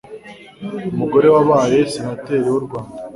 umugore wabaye senateri w'u Rwanda,